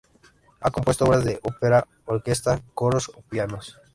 Ha compuesto obras de opera, orquesta, coros o piano.